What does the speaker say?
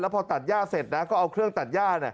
พอตัดย่าเสร็จนะก็เอาเครื่องตัดย่า